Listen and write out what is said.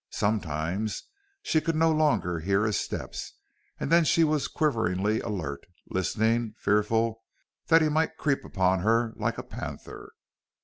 Sometimes she could no longer hear his steps and then she was quiveringly alert, listening, fearful that he might creep upon her like a panther.